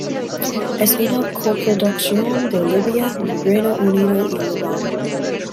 Es una coproducción de Libia, Reino Unido y Líbano.